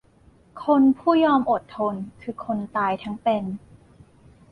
คนผู้ยอมอดทน คือคนตายทั้งเป็น